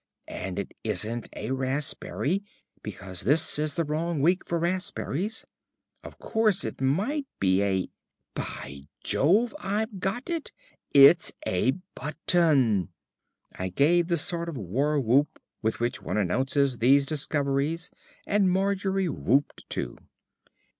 And it isn't a raspberry, because this is the wrong week for raspberries. Of course it might be a By Jove, I've got it! It's a button." I gave the sort of war whoop with which one announces these discoveries, and Margery whooped too.